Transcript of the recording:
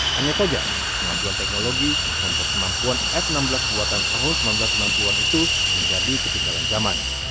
hanya saja pengajuan teknologi untuk kemampuan f enam belas buatan tahun seribu sembilan ratus sembilan puluh an itu menjadi ketinggalan zaman